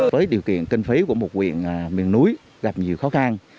với điều kiện kinh phí của một quyện miền núi gặp nhiều khó khăn